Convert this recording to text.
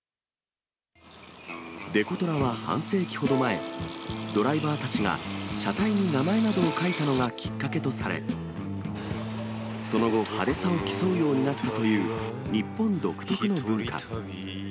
デコトラは半世紀ほど前、ドライバーたちが、車体に名前などを描いたのがきっかけとされ、その後、派手さを競うようになったという、日本独特の文化。